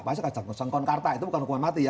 pasangkan jangkauan karta itu bukan hukuman mati ya